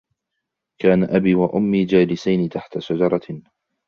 كان أبي وأمي جالسين تحت شجرةٍ.